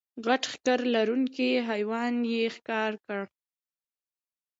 غټ ښکر لرونکی حیوان یې ښکار کړ.